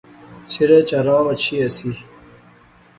سریچ ارام اچھی ایسی